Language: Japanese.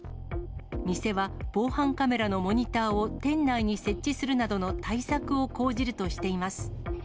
店は防犯カメラのモニターを店内に設置するなどの対策を講じるとしています。